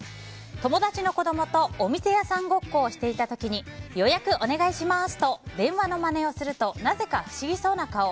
友達の子供とお店屋さんごっこをしていた時に予約お願いしますと電話のまねをするとなぜか不思議そうな顔。